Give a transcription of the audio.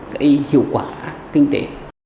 cái hiệu quả kinh tế